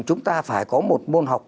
chúng ta phải có một môn học